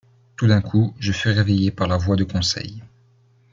Tout d’un coup, je fus réveillé par la voix de Conseil.